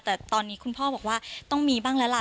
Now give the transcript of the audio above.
แต่ตอนนี้คุณพ่อบอกว่าต้องมีบ้างแล้วล่ะ